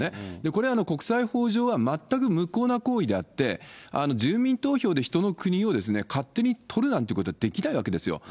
これは国際法上は、全く無効な行為であって、住民投票で人の国を勝手に取るなんてことはできないわけですよ。